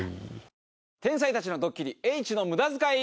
「天才たちのドッキリ叡智のムダ使い」